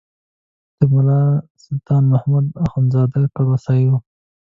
د ملا سلطان محمد اخندزاده کړوسی و.